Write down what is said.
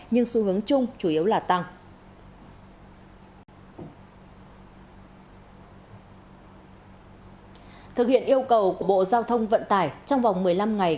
nhưng xu hướng chung chủ yếu là tăng thực hiện yêu cầu của bộ giao thông vận tải trong vòng một mươi năm ngày